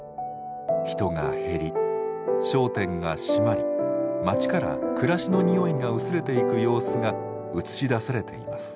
人が減り商店が閉まり町から暮らしのにおいが薄れていく様子が映し出されています。